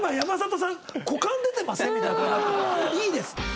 いいです！